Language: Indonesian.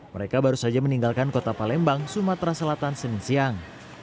mereka baru saja meninggalkan kota palembang sumatera selatan senin siang